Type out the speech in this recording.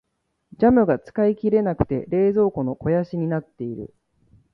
ジャムが使い切れなくて冷蔵庫の肥やしになっている。